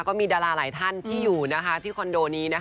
ก็มีดาราหลายท่านที่อยู่ที่คอนโดนี้